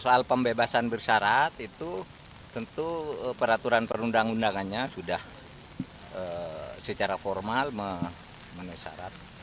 soal pembebasan bersarat itu tentu peraturan perundang undangannya sudah secara formal menesarat